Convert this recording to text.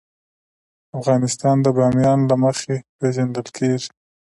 افغانستان د بامیان له مخې پېژندل کېږي.